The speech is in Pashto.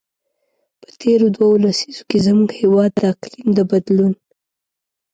په تېرو دوو لسیزو کې، زموږ هېواد د اقلیم د بدلون.